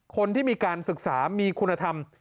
คนที่มีการศึกษามีคุณธรรม